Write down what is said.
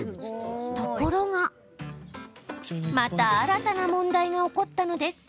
ところがまた新たな問題が起こったのです。